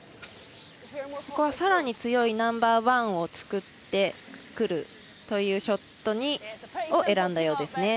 ここはさらに強いナンバーワンを作ってくるというショットを選んだようです。